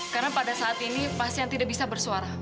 karena pada saat ini pasien tidak bisa bersuara